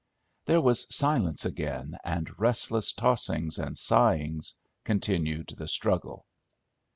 There was silence again, and restless tossings and sighings continued the struggle.